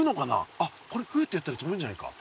あっこれフッてやったらとぶんじゃないか？